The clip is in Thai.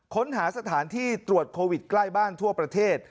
ค้นหาสถานที่ตรวจโควิดใกล้บ้านทั่วประเทศ